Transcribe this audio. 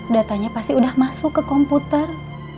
datanya pasti udah masuk ke komputer